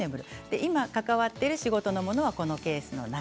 今、関わっている仕事のものはこのケースの中。